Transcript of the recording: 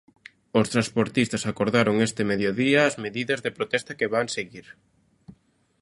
Os transportistas acordaron este mediodía as medidas de protesta que van seguir.